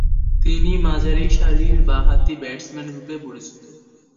তিনি মাঝারি সারির বাঁ হাতি ব্যাটসম্যানরূপে পরিচিত।